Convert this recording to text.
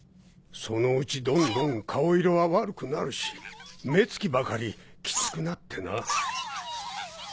そのうちどんどん顔色は悪くなるし目つきばかりきつくなってな。